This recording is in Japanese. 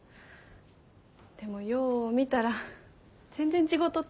でもよう見たら全然違うとった。